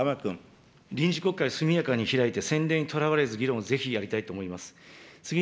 臨時国会、速やかに開いて、先例にとらわれず、議論をぜひやりたいと思います。